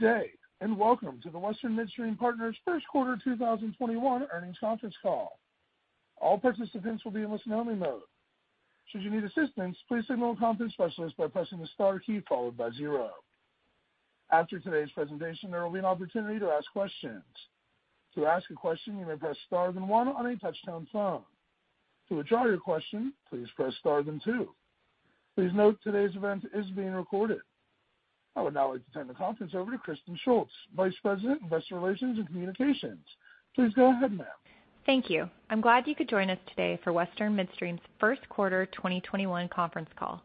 Good day, and welcome to the Western Midstream Partners first quarter 2021 earnings conference call. All participants will be in listen-only mode. Should you need assistance, please please signal a conference specialist by pressing the star key followed by zero. After today's presentation, there will be an opportunity to ask questions. To ask a question, you may press star then one on your touchtone phone. To withdraw your question, please press star and then two. Please note today's event is being recorded. I would now like to turn the conference over to Kristen Shults, Vice President of Investor Relations and Communications. Please go ahead, ma'am. Thank you. I'm glad you could join us today for Western Midstream's first quarter 2021 conference call.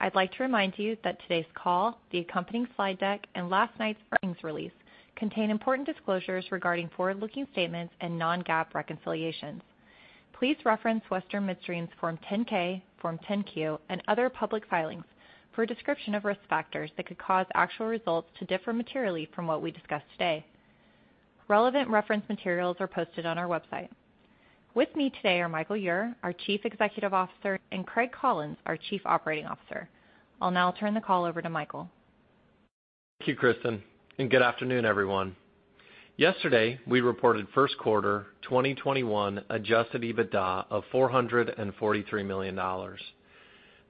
I'd like to remind you that today's call, the accompanying slide deck, and last night's earnings release contain important disclosures regarding forward-looking statements and non-GAAP reconciliations. Please reference Western Midstream's Form 10-K, Form 10-Q, and other public filings for a description of risk factors that could cause actual results to differ materially from what we discuss today. Relevant reference materials are posted on our website. With me today are Michael Ure, our Chief Executive Officer, and Craig Collins, our Chief Operating Officer. I'll now turn the call over to Michael. Thank you, Kristen. Good afternoon, everyone. Yesterday, we reported first quarter 2021 adjusted EBITDA of $443 million.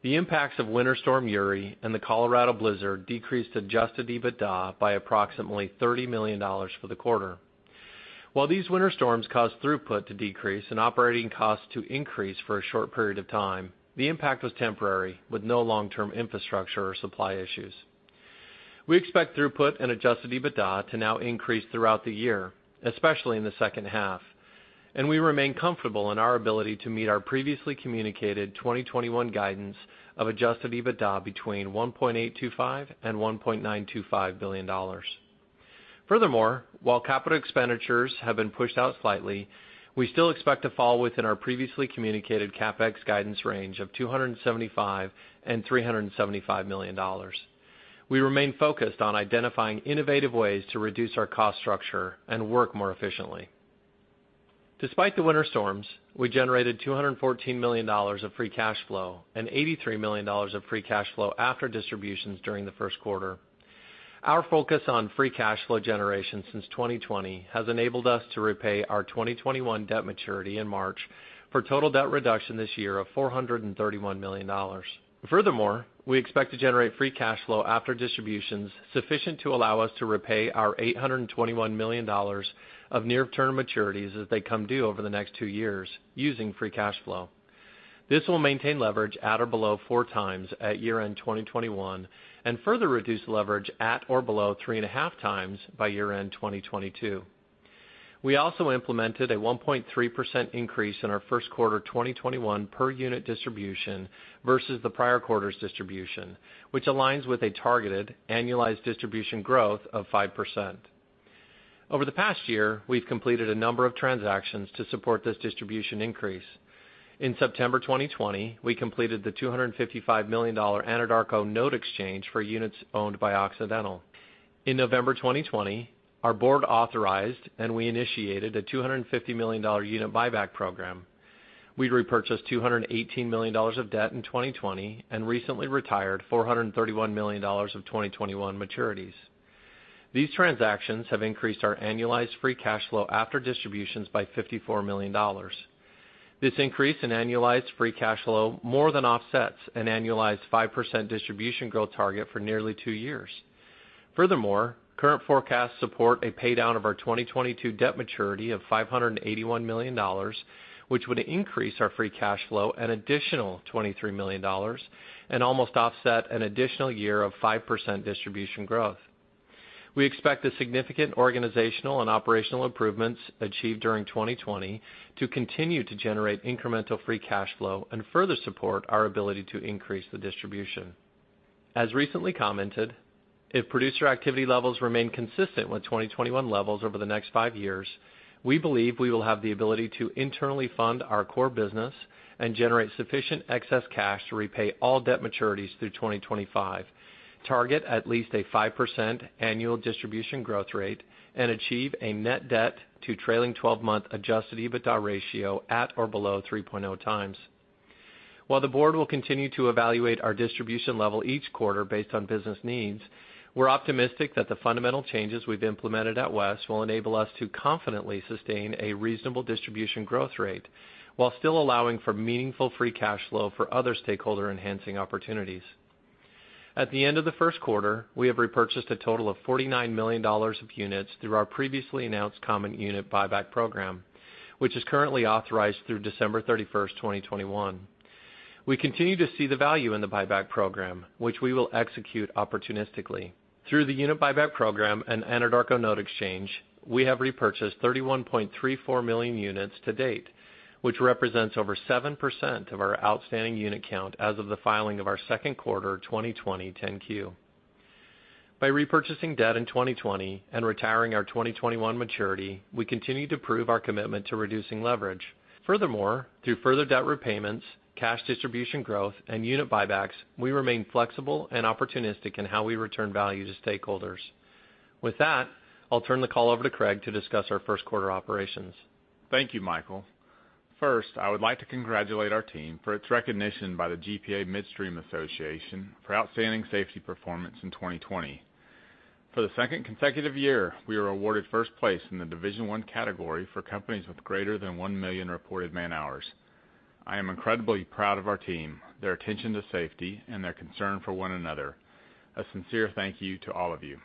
The impacts of Winter Storm Uri and the Colorado blizzard decreased adjusted EBITDA by approximately $30 million for the quarter. While these winter storms caused throughput to decrease and operating costs to increase for a short period of time, the impact was temporary, with no long-term infrastructure or supply issues. We expect throughput and adjusted EBITDA to now increase throughout the year, especially in the second half, and we remain comfortable in our ability to meet our previously-communicated 2021 guidance of adjusted EBITDA between $1.825 billion and $1.925 billion. Furthermore, while capital expenditures have been pushed out slightly, we still expect to fall within our previously communicated CapEx guidance range of $275 million and $375 million. We remain focused on identifying innovative ways to reduce our cost structure and work more efficiently. Despite the winter storms, we generated $214 million of free cash flow and $83 million of free cash flow after distributions during the first quarter. Our focus on free cash flow generation since 2020 has enabled us to repay our 2021 debt maturity in March for total debt reduction this year of $431 million. Furthermore, we expect to generate free cash flow after distributions sufficient to allow us to repay our $821 million of near-term maturities as they come due over the next two years using free cash flow. This will maintain leverage at or below 4x at year-end 2021 and further reduce leverage at or below 3.5x by year-end 2022. We also implemented a 1.3% increase in our first quarter 2021 per unit distribution versus the prior quarter's distribution, which aligns with a targeted annualized distribution growth of 5%. Over the past year, we've completed a number of transactions to support this distribution increase. In September 2020, we completed the $255 million Anadarko note exchange for units owned by Occidental. In November 2020, our board authorized and we initiated a $250 million unit buyback program. We repurchased $218 million of debt in 2020 and recently retired $431 million of 2021 maturities. These transactions have increased our annualized free cash flow after distributions by $54 million. This increase in annualized free cash flow more than offsets an annualized 5% distribution growth target for nearly two years. Furthermore, current forecasts support a pay-down of our 2022 debt maturity of $581 million, which would increase our free cash flow an additional $23 million and almost offset an additional year of 5% distribution growth. We expect the significant organizational and operational improvements achieved during 2020 to continue to generate incremental free cash flow and further support our ability to increase the distribution. As recently commented, if producer activity levels remain consistent with 2021 levels over the next five years, we believe we will have the ability to internally fund our core business and generate sufficient excess cash to repay all debt maturities through 2025, target at least a 5% annual distribution growth rate, and achieve a net debt to trailing 12-month adjusted EBITDA ratio at or below 3.0x. While the board will continue to evaluate our distribution level each quarter based on business needs, we're optimistic that the fundamental changes we've implemented at WES will enable us to confidently sustain a reasonable distribution growth rate while still allowing for meaningful free cash flow for other stakeholder-enhancing opportunities. At the end of the first quarter, we have repurchased a total of $49 million of units through our previously-announced common unit buyback program, which is currently authorized through December 31st, 2021. We continue to see the value in the buyback program, which we will execute opportunistically. Through the unit buyback program and Anadarko note exchange, we have repurchased 31.34 million units to date, which represents over 7% of our outstanding unit count as of the filing of our second quarter 2020 10-Q. By repurchasing debt in 2020 and retiring our 2021 maturity, we continue to prove our commitment to reducing leverage. Furthermore, through further debt repayments, cash distribution growth, and unit buybacks, we remain flexible and opportunistic in how we return value to stakeholders. With that, I'll turn the call over to Craig to discuss our first quarter operations. Thank you, Michael. First, I would like to congratulate our team for its recognition by the GPA Midstream Association for outstanding safety performance in 2020. For the second consecutive year, we were awarded first place in the Division One category for companies with greater than one million reported man-hours. I am incredibly proud of our team, their attention to safety, and their concern for one another. A sincere thank you to all of you.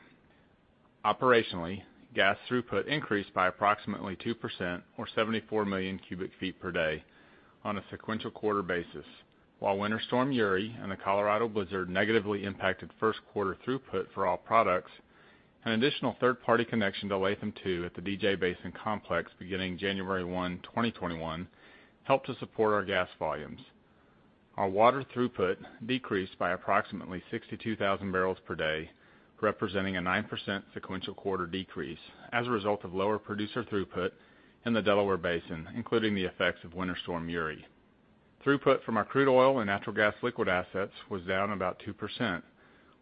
Operationally, gas throughput increased by approximately 2%, or 74 MMcf/d on a sequential quarter basis. While Winter Storm Uri and the Colorado blizzard negatively impacted first quarter throughput for all products, an additional third-party connection to Latham II at the DJ Basin Complex beginning January 1, 2021, helped to support our gas volumes. Our water throughput decreased by approximately 62,000 bpd, representing a 9% sequential quarter decrease as a result of lower producer throughput in the Delaware Basin, including the effects of Winter Storm Uri. Throughput from our crude oil and natural gas liquids assets was down about 2%,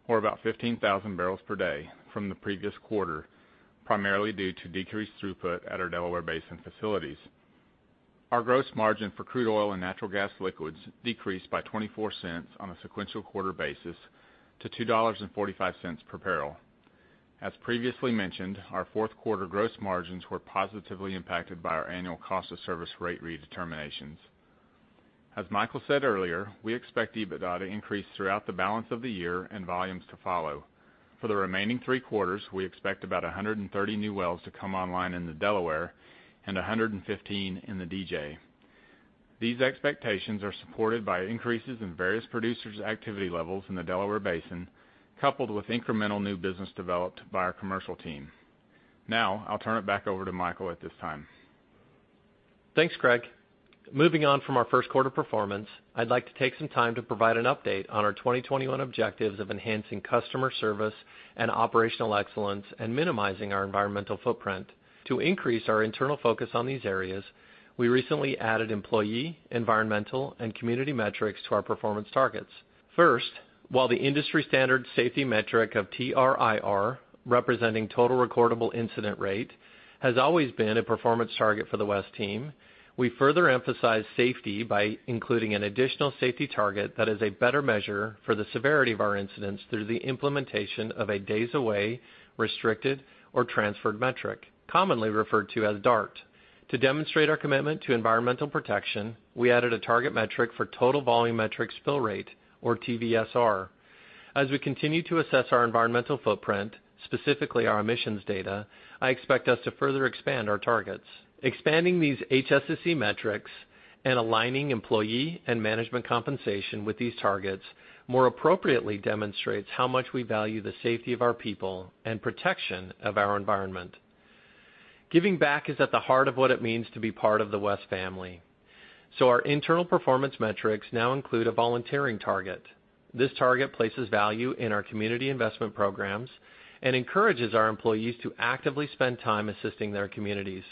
or about 15,000 bpd from the previous quarter, primarily due to decreased throughput at our Delaware Basin facilities. Our gross margin for crude oil and natural gas liquids decreased by $0.24 on a sequential quarter basis to $2.45 per barrel. As previously mentioned, our fourth quarter gross margins were positively impacted by our annual cost of service rate redeterminations. As Michael said earlier, we expect EBITDA to increase throughout the balance of the year and volumes to follow. For the remaining three quarters, we expect about 130 new wells to come online in the Delaware and 115 in the DJ. These expectations are supported by increases in various producers' activity levels in the Delaware Basin, coupled with incremental new business developed by our commercial team. I'll turn it back over to Michael at this time. Thanks, Craig. Moving on from our first quarter performance, I'd like to take some time to provide an update on our 2021 objectives of enhancing customer service and operational excellence and minimizing our environmental footprint. To increase our internal focus on these areas, we recently added employee, environmental, and community metrics to our performance targets. First, while the industry standard safety metric of TRIR, representing total recordable incident rate, has always been a performance target for the WES team, we further emphasize safety by including an additional safety target that is a better measure for the severity of our incidents through the implementation of a days away, restricted, or transferred metric, commonly referred to as DART. To demonstrate our commitment to environmental protection, we added a target metric for total volume metric spill rate, or TVSR. As we continue to assess our environmental footprint, specifically our emissions data, I expect us to further expand our targets. Expanding these HSSE metrics and aligning employee and management compensation with these targets more appropriately demonstrates how much we value the safety of our people and protection of our environment. Giving back is at the heart of what it means to be part of the WES family, so our internal performance metrics now include a volunteering target. This target places value in our community investment programs and encourages our employees to actively spend time assisting their communities.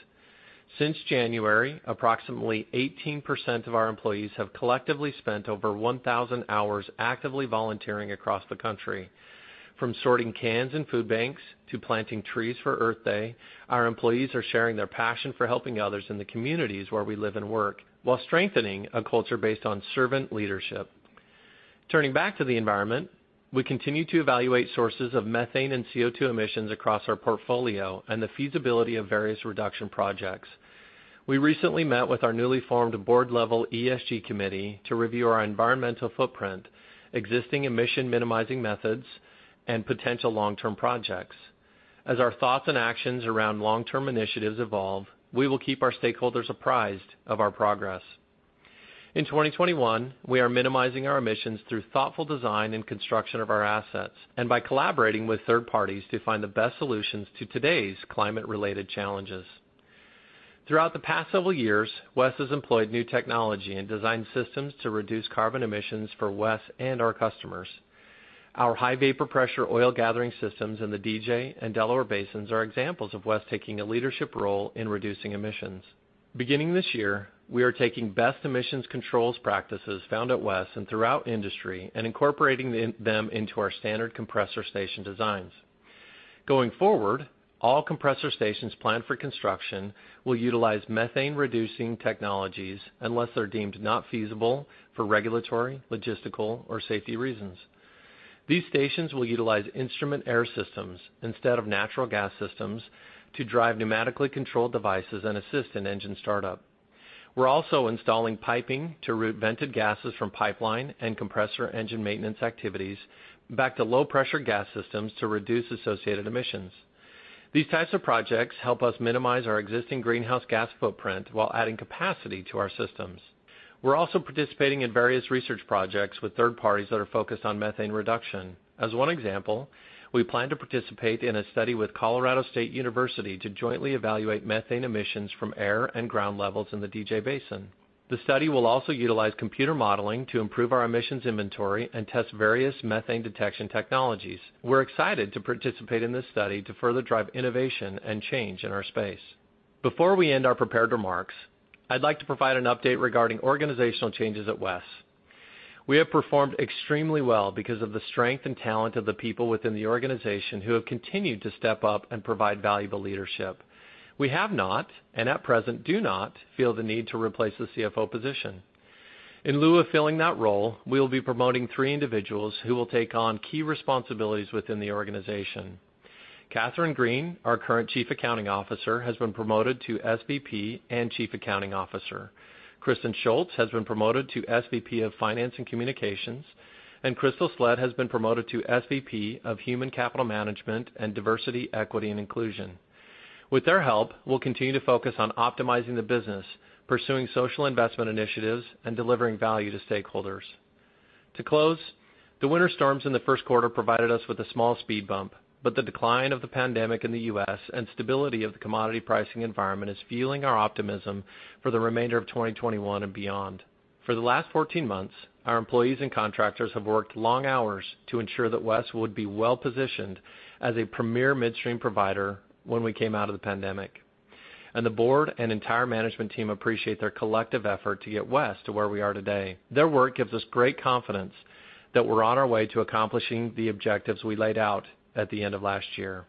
Since January, approximately 18% of our employees have collectively spent over 1,000 hours actively volunteering across the country. From sorting cans in food banks to planting trees for Earth Day, our employees are sharing their passion for helping others in the communities where we live and work while strengthening a culture based on servant leadership. Turning back to the environment, we continue to evaluate sources of methane and CO2 emissions across our portfolio and the feasibility of various reduction projects. We recently met with our newly formed board-level ESG committee to review our environmental footprint, existing emission minimizing methods, and potential long-term projects. As our thoughts and actions around long-term initiatives evolve, we will keep our stakeholders apprised of our progress. In 2021, we are minimizing our emissions through thoughtful design and construction of our assets and by collaborating with third parties to find the best solutions to today's climate-related challenges. Throughout the past several years, WES has employed new technology and designed systems to reduce carbon emissions for WES and our customers. Our high vapor pressure oil gathering systems in the DJ and Delaware Basins are examples of WES taking a leadership role in reducing emissions. Beginning this year, we are taking best emissions controls practices found at WES and throughout industry and incorporating them into our standard compressor station designs. Going forward, all compressor stations planned for construction will utilize methane-reducing technologies unless they're deemed not feasible for regulatory, logistical, or safety reasons. These stations will utilize instrument air systems instead of natural gas systems to drive pneumatically controlled devices and assist in engine startup. We're also installing piping to route vented gases from pipeline and compressor engine maintenance activities back to low-pressure gas systems to reduce associated emissions. These types of projects help us minimize our existing greenhouse gas footprint while adding capacity to our systems. We're also participating in various research projects with third parties that are focused on methane reduction. As one example, we plan to participate in a study with Colorado State University to jointly evaluate methane emissions from air and ground levels in the DJ Basin. The study will also utilize computer modeling to improve our emissions inventory and test various methane detection technologies. We're excited to participate in this study to further drive innovation and change in our space. Before we end our prepared remarks, I'd like to provide an update regarding organizational changes at WES. We have performed extremely well because of the strength and talent of the people within the organization who have continued to step up and provide valuable leadership. We have not, and at present do not, feel the need to replace the CFO position. In lieu of filling that role, we will be promoting three individuals who will take on key responsibilities within the organization. Catherine Green, our current Chief Accounting Officer, has been promoted to SVP and Chief Accounting Officer. Kristen Shults has been promoted to SVP of finance and communications. Crystal Sledd has been promoted to SVP of human capital management and diversity, equity, and inclusion. With their help, we'll continue to focus on optimizing the business, pursuing social investment initiatives, and delivering value to stakeholders. To close, the winter storms in the first quarter provided us with a small speed bump, but the decline of the pandemic in the U.S. and stability of the commodity pricing environment is fueling our optimism for the remainder of 2021 and beyond. For the last 14 months, our employees and contractors have worked long hours to ensure that West would be well-positioned as a premier midstream provider when we came out of the pandemic. The board and entire management team appreciate their collective effort to get West to where we are today. Their work gives us great confidence that we're on our way to accomplishing the objectives we laid out at the end of last year.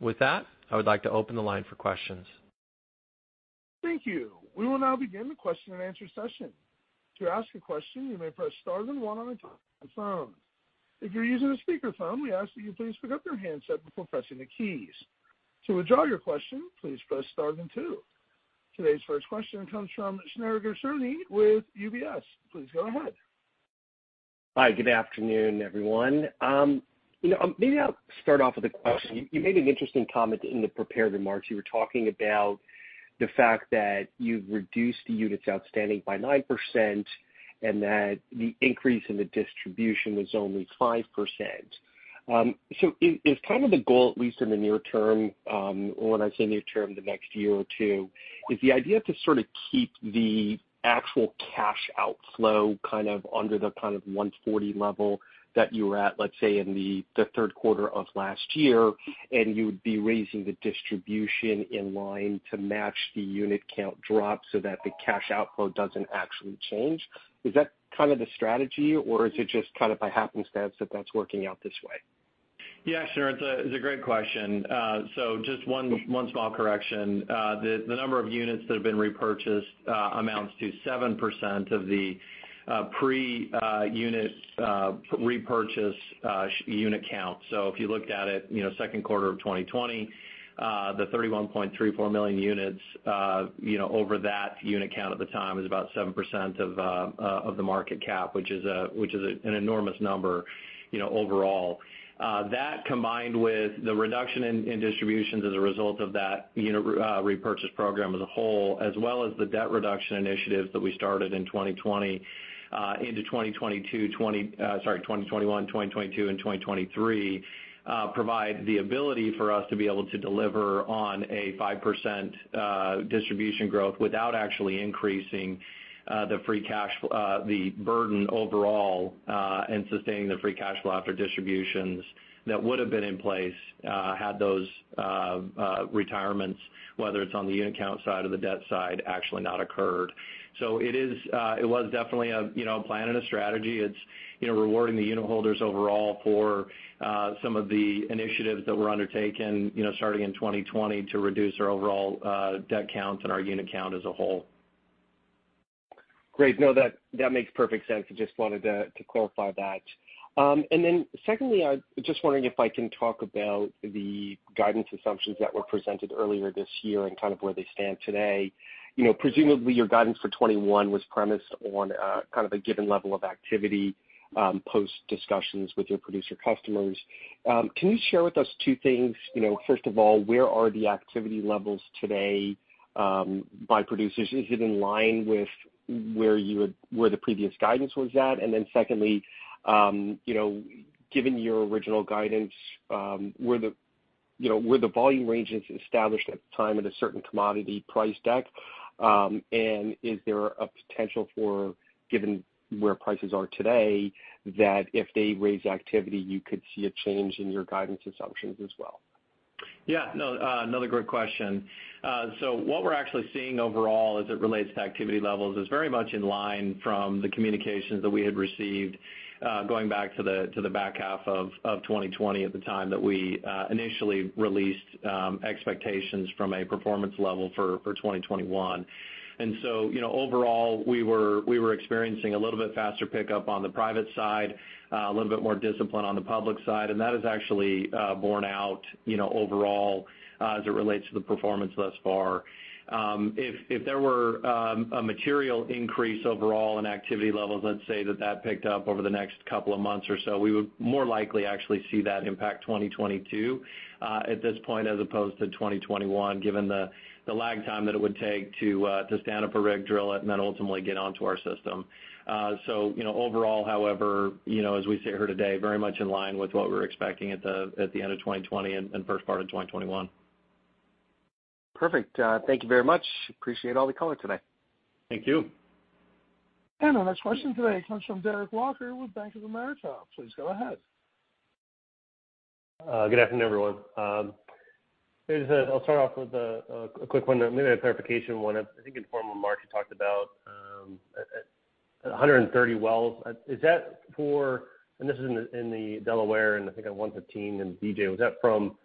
With that, I would like to open the line for questions. Thank you. We will now begin the question-and-answer session. To ask your question, you may press star then one on your touchtone phone. If you're using speakerphone, we ask you please pick up your handset before pressing the keys. To withdraw your questions please press star then two. First question comes from Shneur Gershuni with UBS. Please go ahead. Hi. Good afternoon, everyone. Maybe I'll start off with a question. You made an interesting comment in the prepared remarks. You were talking about the fact that you've reduced the units outstanding by 9%, and that the increase in the distribution was only 5%. Is the goal, at least in the near term, or when I say near term, the next year or two, is the idea to sort of keep the actual cash outflow kind of under the kind of 140 level that you were at, let's say, in the third quarter of last year, and you would be raising the distribution in line to match the unit count drop so that the cash outflow doesn't actually change? Is that kind of the strategy, or is it just kind of by happenstance that that's working out this way? Yeah, Shneur, it's a great question. Just one small correction. The number of units that have been repurchased amounts to 7% of the pre-unit repurchase unit count. If you looked at it, second quarter of 2020, the 31.34 million units over that unit count at the time is about 7% of the market cap, which is an enormous number overall. That, combined with the reduction in distributions as a result of that unit repurchase program as a whole, as well as the debt reduction initiatives that we started in 2020 into 2021, 2022, and 2023, provide the ability for us to be able to deliver on a 5% distribution growth without actually increasing the burden overall in sustaining the free cash flow after distributions that would have been in place had those retirements, whether it's on the unit count side or the debt side, actually not occurred. It was definitely a plan and a strategy. It's rewarding the unit holders overall for some of the initiatives that were undertaken starting in 2020 to reduce our overall debt count and our unit count as a whole. Great. No, that makes perfect sense. I just wanted to clarify that. Secondly, I was just wondering if I can talk about the guidance assumptions that were presented earlier this year and kind of where they stand today. Presumably, your guidance for 2021 was premised on kind of a given level of activity, post discussions with your producer customers. Can you share with us two things? First of all, where are the activity levels today by producers? Is it in line with where the previous guidance was at? Secondly, given your original guidance, were the volume ranges established at the time at a certain commodity price deck? Is there a potential for, given where prices are today, that if they raise activity, you could see a change in your guidance assumptions as well? No, another great question. What we're actually seeing overall as it relates to activity levels is very much in line from the communications that we had received, going back to the back half of 2020 at the time that we initially released expectations from a performance level for 2021. Overall, we were experiencing a little bit faster pickup on the private side, a little bit more discipline on the public side, and that is actually borne out overall as it relates to the performance thus far. If there were a material increase overall in activity levels, let's say that that picked up over the next couple of months or so, we would more likely actually see that impact 2022 at this point as opposed to 2021, given the lag time that it would take to stand up a rig, drill it, and then ultimately get onto our system. Overall, however, as we sit here today, very much in line with what we were expecting at the end of 2020 and first part of 2021. Perfect. Thank you very much. Appreciate all the color today. Thank you. Our next question today comes from Derek Walker with Bank of America. Please go ahead. Good afternoon, everyone. I'll start off with a quick one, maybe a clarification one. I think in the formal remarks, you talked about 130 wells. Is that for, and this is in the Delaware, and I think 115 in DJ. Was that from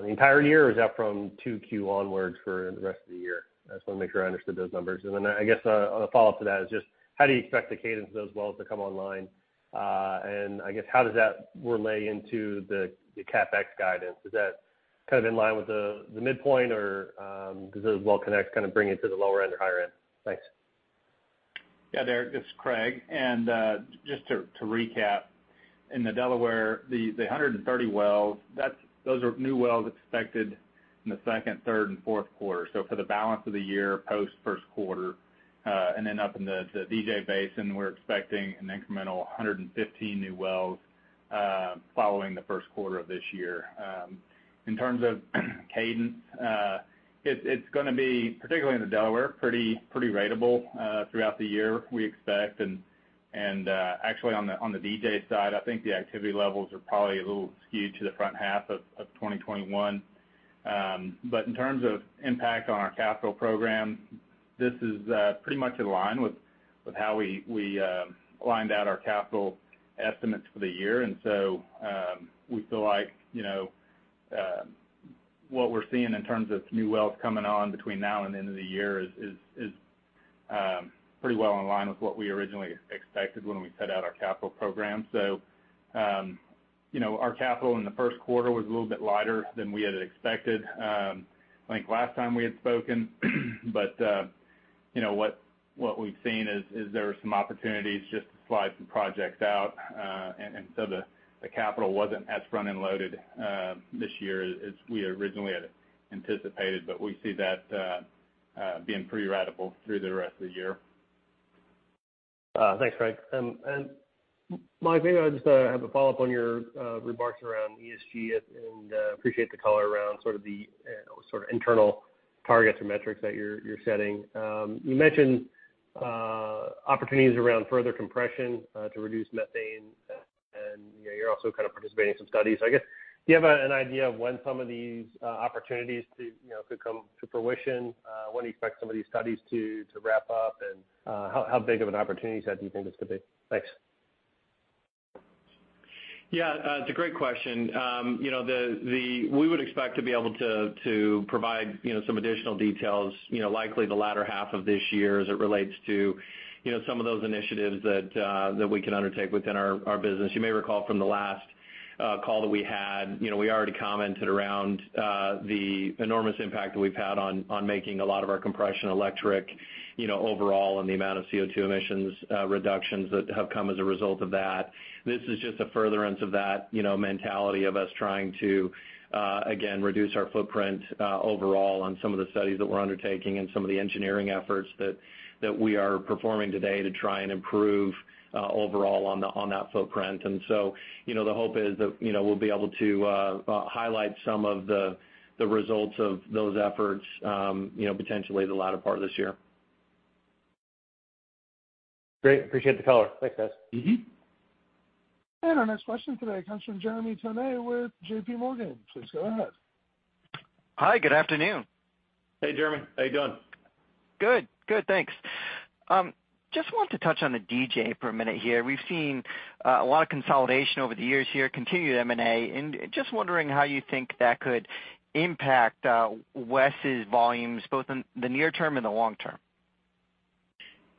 the entire year, or is that from 2Q onwards for the rest of the year? I just want to make sure I understood those numbers. Then I guess on a follow-up to that is just how do you expect the cadence of those wells to come online? I guess how does that relay into the CapEx guidance? Is that in line with the midpoint, or does those well connects kind of bring it to the lower end or higher end? Thanks. Yeah, Derek, this is Craig. Just to recap, in the Delaware, the 130 wells, those are new wells expected in the second, third, and fourth quarter. For the balance of the year, post first quarter. Then up in the DJ Basin, we're expecting an incremental 115 new wells following the first quarter of this year. In terms of cadence, it's going to be, particularly in the Delaware, pretty ratable throughout the year, we expect. Actually on the DJ side, I think the activity levels are probably a little skewed to the front half of 2021. In terms of impact on our capital program, this is pretty much in line with how we lined out our capital estimates for the year. We feel like what we're seeing in terms of new wells coming on between now and the end of the year is pretty well in line with what we originally expected when we set out our capital program. Our capital in the first quarter was a little bit lighter than we had expected. I think last time we had spoken but what we've seen is there are some opportunities just to slide some projects out. The capital wasn't as front-end loaded this year as we originally had anticipated, but we see that being pretty ratable through the rest of the year. Thanks, Craig. Mike, maybe I just have a follow-up on your remarks around ESG and appreciate the color around sort of the internal targets or metrics that you're setting. You mentioned opportunities around further compression to reduce methane, and you're also kind of participating in some studies. I guess, do you have an idea of when some of these opportunities could come to fruition? When do you expect some of these studies to wrap up, and how big of an opportunity set do you think this could be? Thanks. It's a great question. We would expect to be able to provide some additional details, likely the latter half of this year as it relates to some of those initiatives that we can undertake within our business. You may recall from the last call that we had, we already commented around the enormous impact that we've had on making a lot of our compression electric overall and the amount of CO2 emissions reductions that have come as a result of that. This is just a furtherance of that mentality of us trying to, again, reduce our footprint overall on some of the studies that we're undertaking and some of the engineering efforts that we are performing today to try and improve overall on that footprint. The hope is that we'll be able to highlight some of the results of those efforts, potentially the latter part of this year. Great. Appreciate the color. Thanks, guys. Our next question today comes from Jeremy Tonet with JPMorgan. Please go ahead. Hi, good afternoon. Hey, Jeremy. How you doing? Good. Thanks. Just wanted to touch on the DJ for a minute here. We've seen a lot of consolidation over the years here, continued M&A, and just wondering how you think that could impact WES's volumes, both in the near term and the long term.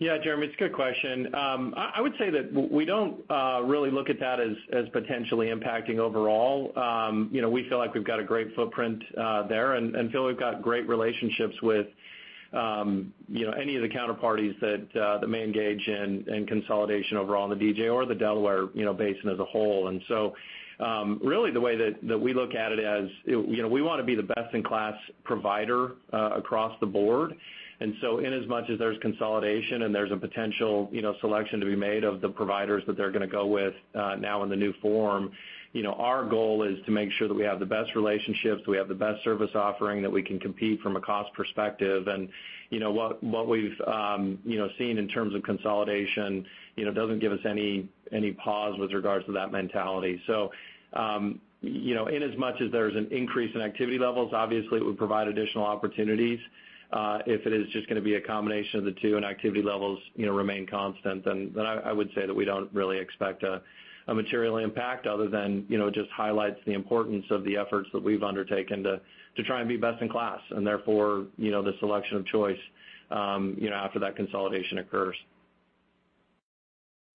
Yeah, Jeremy, it's a good question. I would say that we don't really look at that as potentially impacting overall. We feel like we've got a great footprint there and feel we've got great relationships with any of the counterparties that may engage in consolidation overall in the DJ or the Delaware Basin as a whole. Really the way that we look at it as we want to be the best-in-class provider across the board. In as much as there's consolidation and there's a potential selection to be made of the providers that they're going to go with now in the new form, our goal is to make sure that we have the best relationships, we have the best service offering, that we can compete from a cost perspective. What we've seen in terms of consolidation doesn't give us any pause with regards to that mentality. In as much as there's an increase in activity levels, obviously it would provide additional opportunities. If it is just going to be a combination of the two and activity levels remain constant, I would say that we don't really expect a material impact other than just highlights the importance of the efforts that we've undertaken to try and be best in class, and therefore the selection of choice after that consolidation occurs.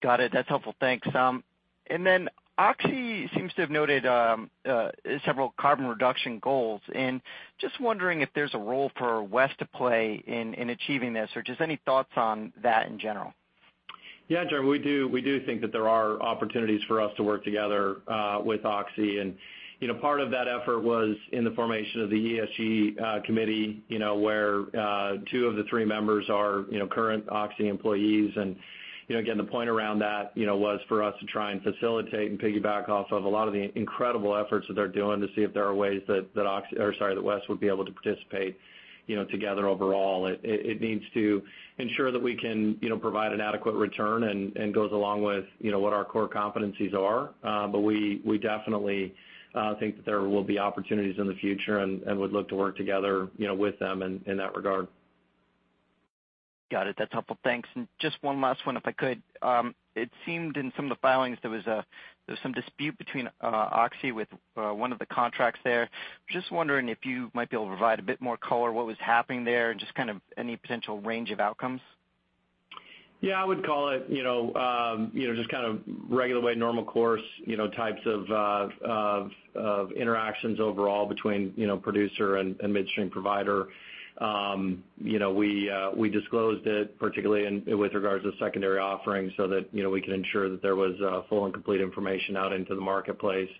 Got it. That's helpful. Thanks. Oxy seems to have noted several carbon reduction goals, and just wondering if there's a role for West to play in achieving this, or just any thoughts on that in general? Yeah, Jeremy, we do think that there are opportunities for us to work together with Oxy. Part of that effort was in the formation of the ESG committee where two of the three members are current Oxy employees. Again, the point around that was for us to try and facilitate and piggyback off of a lot of the incredible efforts that they're doing to see if there are ways that West would be able to participate together overall. It needs to ensure that we can provide an adequate return and goes along with what our core competencies are. We definitely think that there will be opportunities in the future and would look to work together with them in that regard. Got it. That's helpful. Thanks. Just one last one, if I could. It seemed in some of the filings, there was some dispute between Oxy with one of the contracts there. Just wondering if you might be able to provide a bit more color, what was happening there and just kind of any potential range of outcomes? Yeah, I would call it, just kind of regular way, normal course types of interactions overall between producer and midstream provider. We disclosed it particularly with regards to secondary offerings so that we could ensure that there was full and complete information out into the marketplace.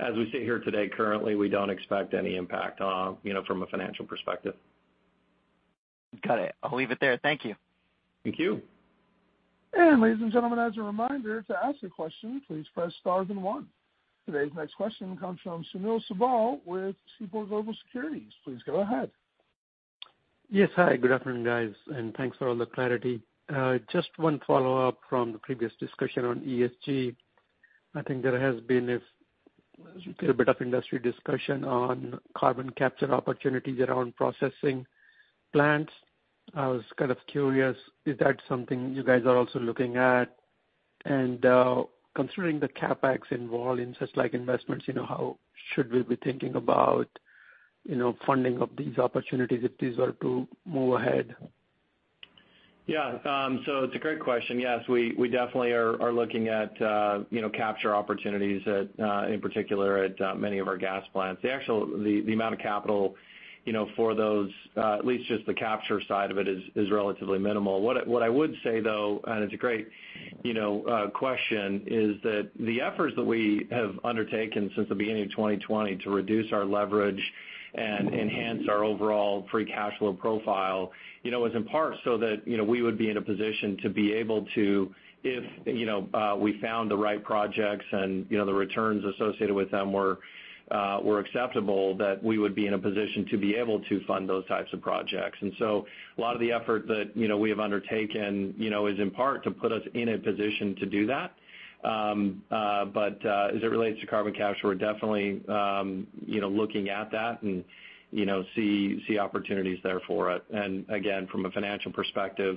As we sit here today, currently, we don't expect any impact from a financial perspective. Got it. I'll leave it there. Thank you. Thank you. Ladies and gentlemen, as a reminder, to ask a question, please press star then one. Today's next question comes from Sunil Sibal with Seaport Global Securities. Please go ahead. Yes. Hi, good afternoon, guys. Thanks for all the clarity. Just one follow-up from the previous discussion on ESG. I think there has been a fair bit of industry discussion on carbon capture opportunities around processing plants. I was kind of curious, is that something you guys are also looking at? Considering the CapEx involved in such investments, how should we be thinking about funding of these opportunities if these were to move ahead? Yeah. It's a great question. Yes, we definitely are looking at capture opportunities at, in particular at many of our gas plants. The amount of capital for those, at least just the capture side of it is relatively minimal. What I would say, though, and it's a great question, is that the efforts that we have undertaken since the beginning of 2020 to reduce our leverage and enhance our overall free cash flow profile, was in part so that we would be in a position to be able to, if we found the right projects and the returns associated with them were acceptable, that we would be in a position to be able to fund those types of projects. A lot of the effort that we have undertaken is in part to put us in a position to do that. As it relates to carbon capture, we're definitely looking at that and see opportunities there for it. Again, from a financial perspective,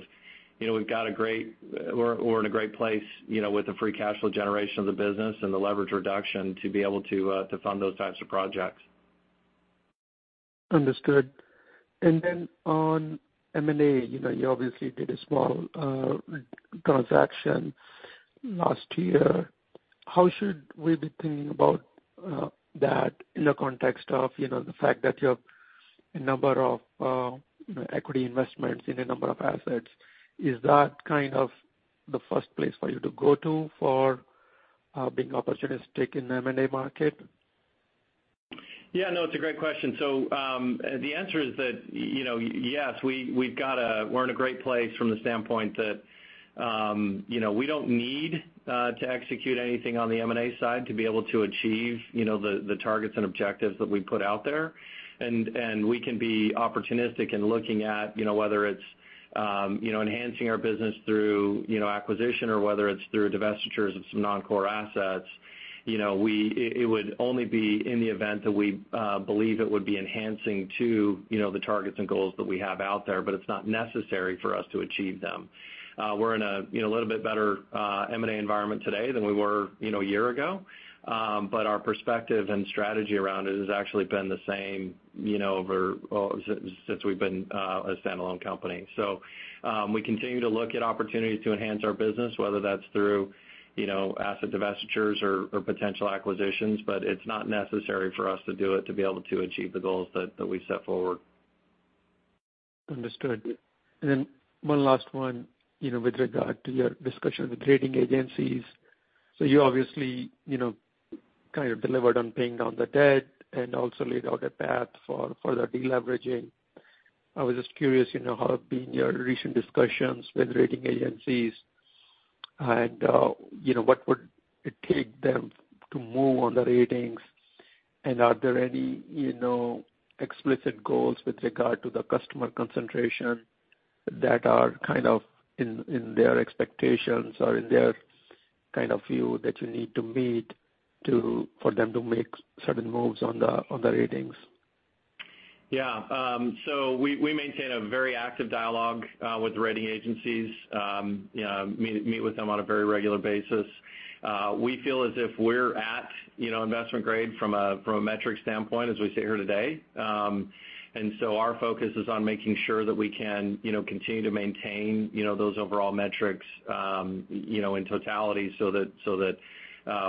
we're in a great place with the free cash flow generation of the business and the leverage reduction to be able to fund those types of projects. Understood. On M&A, you obviously did a small transaction last year. How should we be thinking about that in the context of the fact that you have a number of equity investments in a number of assets? Is that kind of the first place for you to go to for being opportunistic in the M&A market? Yeah, no, it's a great question. The answer is that, yes, we're in a great place from the standpoint that we don't need to execute anything on the M&A side to be able to achieve the targets and objectives that we put out there. We can be opportunistic in looking at whether it's enhancing our business through acquisition or whether it's through divestitures of some non-core assets. It would only be in the event that we believe it would be enhancing to the targets and goals that we have out there, but it's not necessary for us to achieve them. We're in a little bit better M&A environment today than we were a year ago. Our perspective and strategy around it has actually been the same since we've been a standalone company. We continue to look at opportunities to enhance our business, whether that's through asset divestitures or potential acquisitions, but it's not necessary for us to do it to be able to achieve the goals that we set forward. Understood. One last one with regard to your discussion with the rating agencies. You obviously kind of delivered on paying down the debt and also laid out a path for further deleveraging. I was just curious how have been your recent discussions with rating agencies and what would it take them to move on the ratings? Are there any explicit goals with regard to the customer concentration that are kind of in their expectations or in their kind of view that you need to meet for them to make certain moves on the ratings? We maintain a very active dialogue with the rating agencies, meet with them on a very regular basis. We feel as if we're at investment grade from a metrics standpoint as we sit here today. Our focus is on making sure that we can continue to maintain those overall metrics in totality so that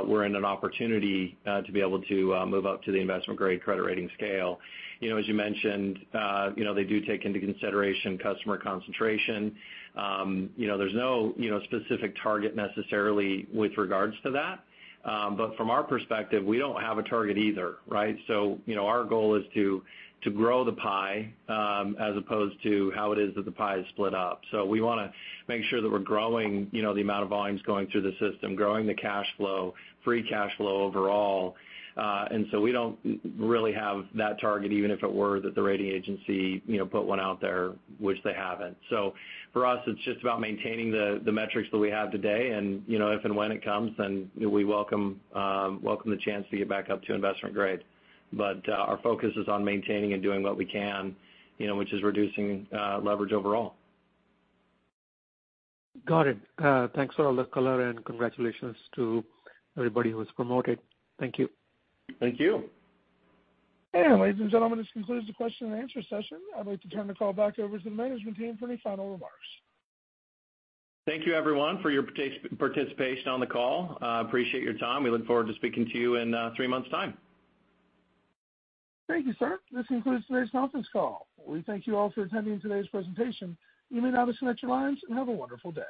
we're in an opportunity to be able to move up to the investment-grade credit rating scale. As you mentioned, they do take into consideration customer concentration. There's no specific target necessarily with regards to that. From our perspective, we don't have a target either. Our goal is to grow the pie as opposed to how it is that the pie is split up. We want to make sure that we're growing the amount of volumes going through the system, growing the cash flow, free cash flow overall. We don't really have that target, even if it were that the rating agency put one out there, which they haven't. For us, it's just about maintaining the metrics that we have today, and if and when it comes, then we welcome the chance to get back up to investment grade. Our focus is on maintaining and doing what we can, which is reducing leverage overall. Got it. Thanks for all the color. Congratulations to everybody who was promoted. Thank you. Thank you. Ladies and gentlemen, this concludes the question-and-answer session. I'd like to turn the call back over to the management team for any final remarks. Thank you everyone for your participation on the call. Appreciate your time. We look forward to speaking to you in three months' time. Thank you, sir. This concludes today's conference call. We thank you all for attending today's presentation. You may now disconnect your lines and have a wonderful day.